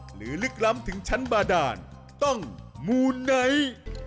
หรือลึกล้ำถึงชั้นบาดาลต้องหมู่ไหน